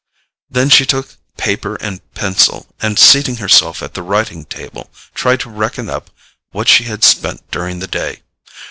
Then she took paper and pencil, and seating herself at the writing table, tried to reckon up what she had spent during the day.